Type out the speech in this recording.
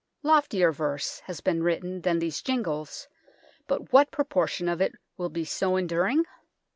Loftier verse has been written than these jingles, but what proportion of it will be so enduring